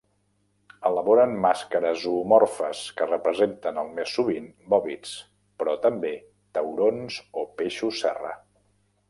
Elaboren màscares zoomorfes que representen el més sovint bòvids, però també taurons o peixos serra.